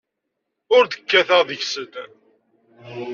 Ur d-kkateɣ deg-sen.